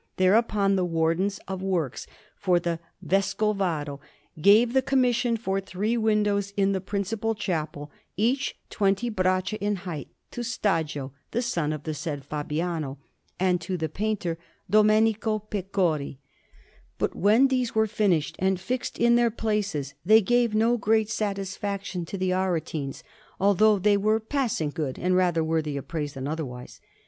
Thereupon the Wardens of Works for the Vescovado gave the commission for three windows in the principal chapel, each twenty braccia in height, to Stagio, the son of the said Fabiano, and to the painter Domenico Pecori; but when these were finished and fixed in their places, they gave no great satisfaction to the Aretines, although they were passing good and rather worthy of praise than otherwise.